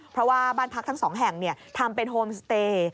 เพราะว่าบ้านพักทั้งสองแห่งทำเป็นโฮมสเตย์